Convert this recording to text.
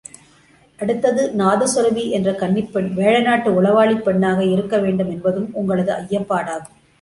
அடுத்தது, நாதசுரபி என்ற கன்னிப் பெண் வேழநாட்டு உளவாளிப் பெண்ணாக இருக்கவேண்டுமென்பதும் உங்களது ஐயப்படாகும்!...